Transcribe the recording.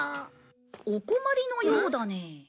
お困りのようだね。